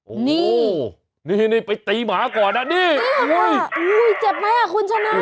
โอ้โหนี่นี่ไปตีหมาก่อนนะนี่โอ้โหอื้อเจ็บไหมคุณฉนั้น